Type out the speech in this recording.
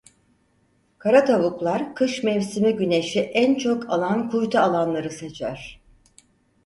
Karatavuklar kış mevsimi güneşi en çok alan kuytu alanları seçer.